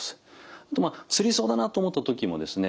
あとつりそうだなと思った時もですね